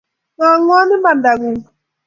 Ng’ang’wa imandang’ung’